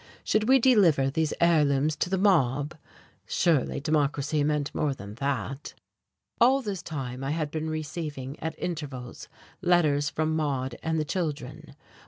Should we deliver these heirlooms to the mob? Surely Democracy meant more than that! All this time I had been receiving, at intervals, letters from Maude and the children.